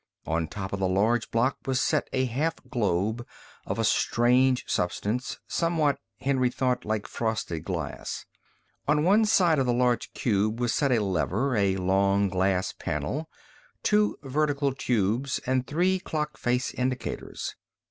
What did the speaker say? On the top of the large block was set a half globe of a strange substance, somewhat, Henry thought, like frosted glass. On one side of the large cube was set a lever, a long glass panel, two vertical tubes and three clock face indicators.